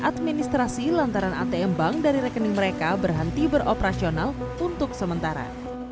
administrasi lantaran atm bank dari rekening mereka berhenti beroperasional untuk sementara